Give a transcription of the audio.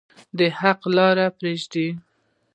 د لارې حق پریږدئ؟